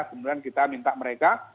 kemudian kita minta mereka